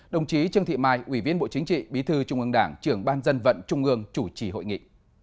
đồng chí trương thị mai ủy viên bộ chính trị bí thư trung ương đảng trưởng ban dân vận trung ương chủ trì hội nghị